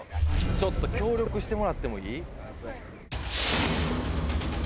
ちょっと協力してもらってもいい？